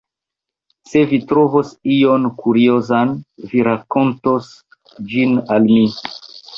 Se vi trovos ion kuriozan, vi rakontos ĝin al mi.